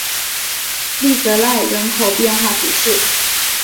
利泽赖人口变化图示